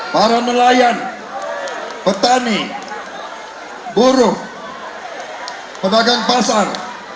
para nelayan petani buruh pedagang pasar